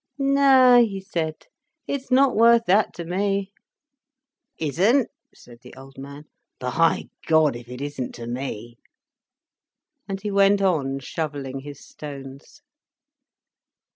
"No," he said. "It's not worth that to me." "Isn't?" said the old man. "By God, if it isn't to me!" And he went on shovelling his stones.